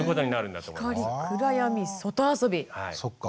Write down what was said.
そっか。